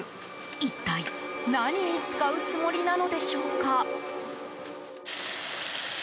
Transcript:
一体、何に使うつもりなのでしょうか？